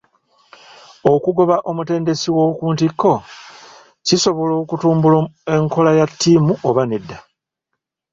Okugoba omutendesi ow'oku ntikko kisobola okutumbula enkola ya ttiimu oba nedda?